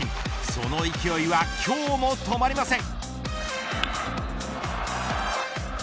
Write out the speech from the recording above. その勢いは今日も止まりません。